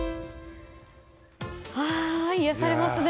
癒やされますね！